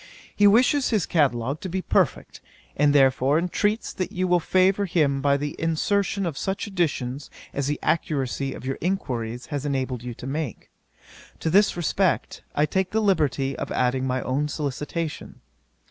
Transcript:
He wishes his catalogue to be perfect, and therefore intreats that you will favour him by the insertion of such additions as the accuracy of your inquiries has enabled you to make. To this request, I take the liberty of adding my own solicitation.